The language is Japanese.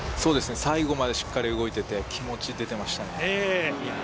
最後までしっかり動いていて、気持ち出ていましたね。